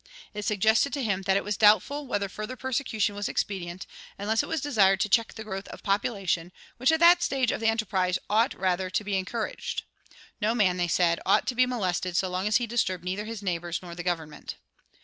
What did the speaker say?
It suggested to him that it was doubtful whether further persecution was expedient, unless it was desired to check the growth of population, which at that stage of the enterprise ought rather to be encouraged. No man, they said, ought to be molested so long as he disturbed neither his neighbors nor the government.